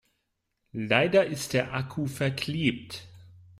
Leider ist der Akku verklebt.